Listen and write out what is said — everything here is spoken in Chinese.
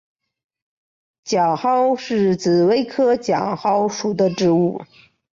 角蒿是紫葳科角蒿属的植物。